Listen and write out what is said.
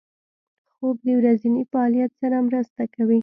خوب د ورځني فعالیت سره مرسته کوي